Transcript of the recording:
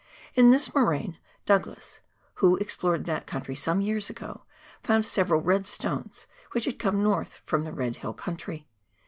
In this moraine, Douglas, who explored that country some years ago, found several red stones which had come north from the Red Hill country.